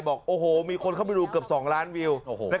บอกโอ้โหมีคนเข้าไปดูเกือบ๒ล้านวิว